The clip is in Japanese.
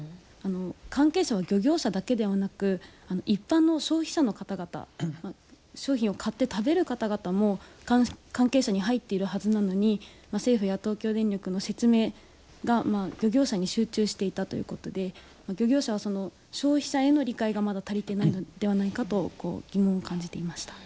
関係者は漁業者だけではなく一般の消費者の方々商品を買って食べる方々も関係者に入っているはずなのに政府や東京電力の説明が漁業者に集中していたということで漁業者は、消費者への理解がまだ足りていないのではないかと疑問を感じていました。